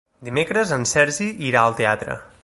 Dimecres en Sergi irà al teatre.